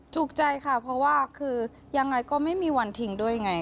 ถูกใจค่ะเพราะว่าคือยังไงก็ไม่มีวันทิ้งด้วยไง